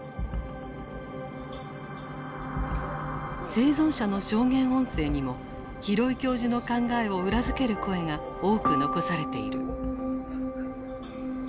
生存者の証言音声にも廣井教授の考えを裏付ける声が多く残されている。